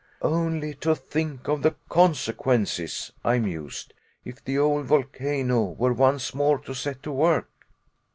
"Only to think of the consequences," I mused, "if the old volcano were once more to set to work."